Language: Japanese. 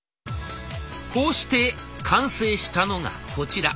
こうして完成したのがこちら。